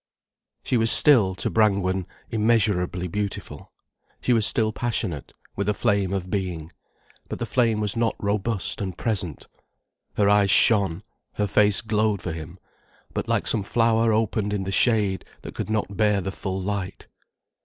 She was still, to Brangwen, immeasurably beautiful. She was still passionate, with a flame of being. But the flame was not robust and present. Her eyes shone, her face glowed for him, but like some flower opened in the shade, that could not bear the full light.